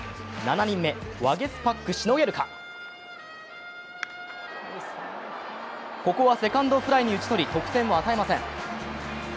７人目ワゲスパック、しのげるかここはセカンドフライに打ち取り、得点を与えません。